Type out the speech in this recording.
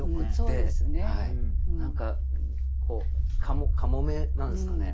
何かかもめなんですかね